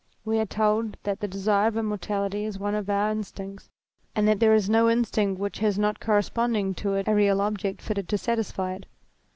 We are told that the desire of immortality is one of our instincts, and that there is no instinct which has not corresponding to it a real object fitted to satisfy it.